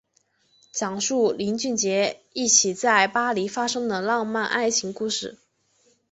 讲述林俊杰一起在巴黎发生的浪漫爱情故事。